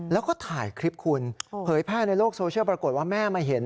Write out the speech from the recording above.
แล้วก็ถ่ายคลิปคุณเผยแพร่ในโลกโซเชียลปรากฏว่าแม่มาเห็น